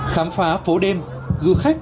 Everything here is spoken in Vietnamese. khám phá phố đêm du khách